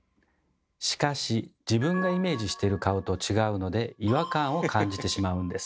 しかし自分がイメージしてる顔と違うので違和感を感じてしまうんです。